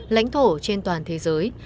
lãnh thổ trên toàn thế giới